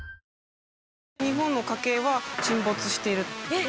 日本の家計は、沈没している。